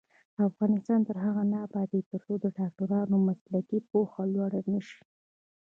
افغانستان تر هغو نه ابادیږي، ترڅو د ډاکټرانو مسلکي پوهه لوړه نشي.